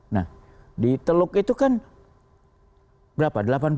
nah di teluk itu kan berapa